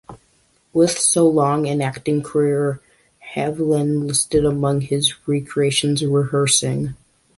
With so long an acting career Haviland listed among his recreations "rehearsing".